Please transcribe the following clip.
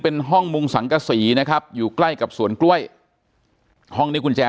เป็นห้องมุงสังกษีนะครับอยู่ใกล้กับสวนกล้วยห้องนี้กุญแจ